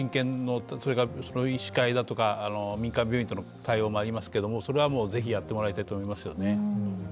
医師会だとか、民間病院との対応もありますがそれはぜひ、やってもらたいと思いますよね。